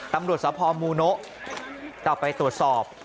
ตำรวจสภมูโนะก็ไปตรวจสอบ